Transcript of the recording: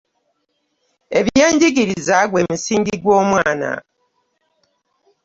Ebyenjigiriza gwe musinji gw'omwana .